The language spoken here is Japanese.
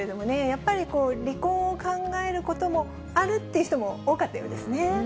やっぱり離婚を考えることもあるって人も多かったようですね。